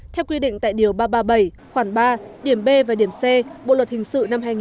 theo quy định tại điều ba trăm ba mươi bảy khoảng ba điểm b và điểm c bộ luật hình sự năm hai nghìn một mươi năm